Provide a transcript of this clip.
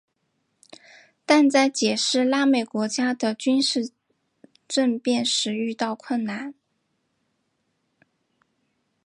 但在解释拉美国家的军事政变时遇到困难。